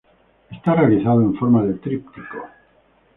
Está realizado en forma de tríptico.